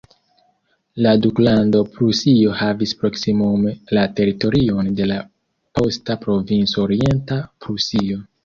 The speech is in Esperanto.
La duklando Prusio havis proksimume la teritorion de la posta provinco Orienta Prusio.